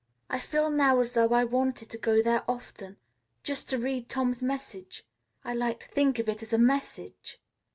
"I feel now as though I wanted to go there often, just to read Tom's message. I like to think of it as a message.